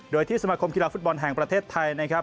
โดยที่สมาคมกีฬาฟุตบอลแห่งประเทศไทยนะครับ